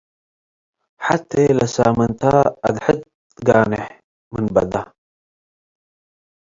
ሐቴ ለሳምንተ አድሕድ ትጋንሕ ምን በደ